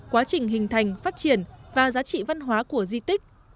quá trình hình thành phát triển và giá trị văn hóa của di tích